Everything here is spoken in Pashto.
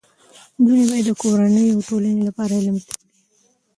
نجونې باید د کورنۍ او ټولنې لپاره علم زده کړي.